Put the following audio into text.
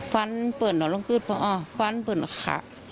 ฟันเปิดหน่อยลงขึ้นฟันเปิดขา